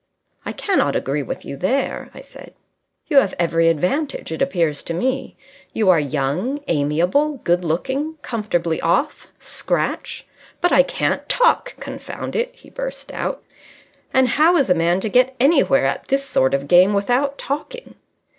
"I cannot agree with you there," I said. "You have every advantage, it appears to me. You are young, amiable, good looking, comfortably off, scratch " "But I can't talk, confound it!" he burst out. "And how is a man to get anywhere at this sort of game without talking?"